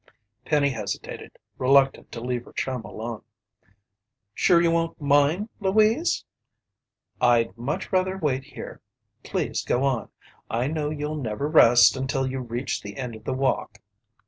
Penny hesitated, reluctant to leave her chum alone. "Sure you won't mind, Louise?" "I'd much rather wait here. Please go on. I know you'll never rest until you reach the end of the walk."